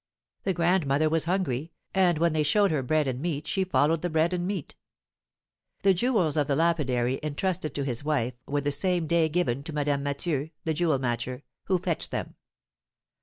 The grandmother was hungry, and when they showed her bread and meat she followed the bread and meat. The jewels of the lapidary, entrusted to his wife, were the same day given to Madame Mathieu (the jewel matcher), who fetched them.